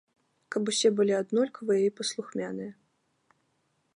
Каб усе былі аднолькавыя і паслухмяныя.